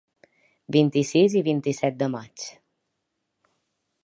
Vint-i-sis i vint-i-set de maig.